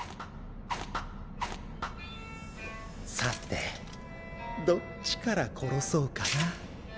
さてどっちから殺そうかな？